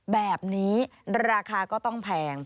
แบบนี้ราคาก็ต้องแพง